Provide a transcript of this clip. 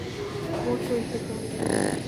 Vote کو عزت دو۔